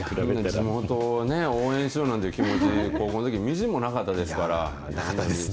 地元を応援しようなんていう気持ち、高校のとき、みじんもななかったですね。